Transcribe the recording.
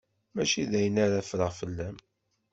Mačči d ayen ara ffreɣ fell-am.